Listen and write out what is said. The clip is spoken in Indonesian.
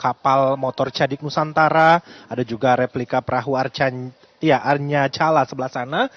kapal motor cadik nusantara ada juga replika perahu arnya cala sebelah sana